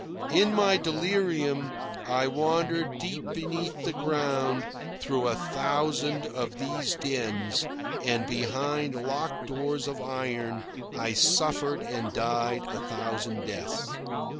In my delirium I wandered deep beneath the ground through a thousand of these dens, and behind locked doors of iron I suffered and died a thousand deaths.